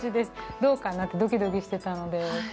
どうかなとドキドキしてたので。